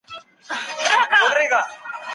تر نفلو وروسته د الله تعالی حمد وواياست.